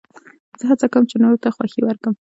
زه هڅه کوم، چي نورو ته خوښي ورکم.